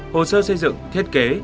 hồ sơ xây dựng thiết kế